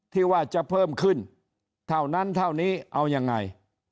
ที่ว่าจะเพิ่มขึ้นเท่านั้นเท่านี้เอายังไง